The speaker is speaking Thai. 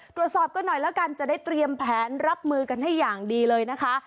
ตรวจสอบกันหน่อยแล้วกันจะได้เตรียมแผนรับมือกันให้อย่างดีเลยนะคะ